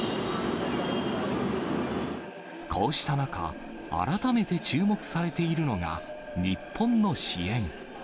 こうした中、改めて注目されているのが日本の支援。